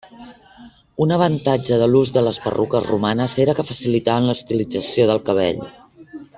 Un avantatge de l'ús de les perruques romanes era que facilitaven l'estilització del cabell.